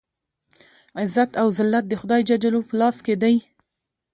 عزت او ذلت د خدای جل جلاله په لاس کې دی.